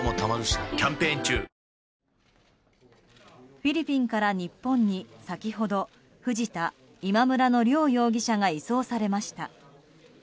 フィリピンから日本に先ほど藤田、今村の両容疑者が移送されました。